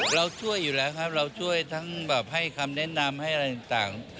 เราช่วยอยู่แล้วครับเราช่วยทั้งแบบให้คำแนะนำให้อะไรต่าง